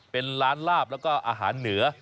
เป็นร้านลาบแล้วก็อาหารเหนือ